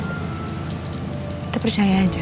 kita percaya aja